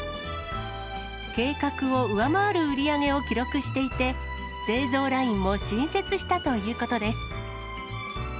計画を上回る売り上げを記録していて、製造ラインも新設したということです。